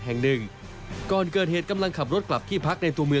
แล้วหนูก็เลยหักมาหักมาปุ๊บมันก็จะชิดสาย